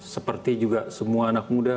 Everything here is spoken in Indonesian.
seperti juga semua anak muda